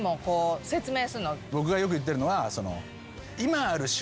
僕がよく言ってるのは。